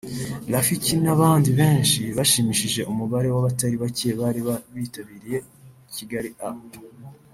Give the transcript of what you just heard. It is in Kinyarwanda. Rafiki n'abandi benshi bashimishije umubare w’abatari bake bari bitabiriye Kigali Up